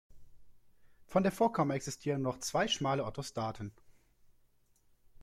Von der Vorkammer existieren nur zwei schmale Orthostaten.